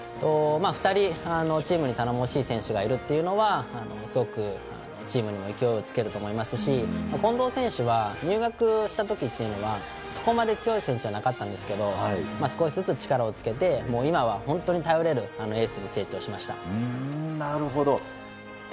２人、チームに頼もしい選手がいるというのはすごくチームにも勢いをつけると思いますし近藤選手は入学した時というのはそこまで強い選手じゃなかったんですけど少しずつ力をつけて今は本当に頼れるエースに成長しました。